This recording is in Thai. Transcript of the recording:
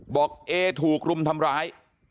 บอกเอ่ถูกรุมทำร้าย